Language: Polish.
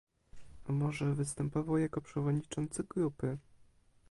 A może występował jako przewodniczący grupy?